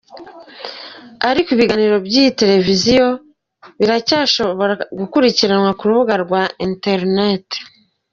Ariko ibiganiro by'iyi televiziyo biracyashobora gukurikirwa ku rubuga rwa interineti.